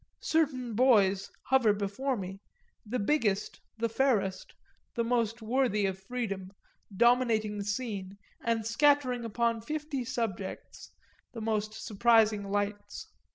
Certain boys hover before me, the biggest, the fairest, the most worthy of freedom, dominating the scene and scattering upon fifty subjects the most surprising lights.